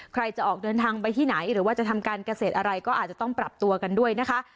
ใครจะออกเดินทางไปที่ไหนหรือว่าจะทำการเกษตรอะไรก็อาจจะต้องปรับตัวกันด้วยนะคะ